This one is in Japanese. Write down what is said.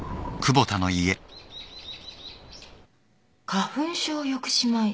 花粉症抑止米？